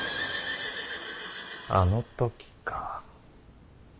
あの時か。